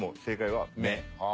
はあ。